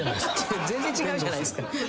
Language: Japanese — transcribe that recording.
全然違うじゃないっすか。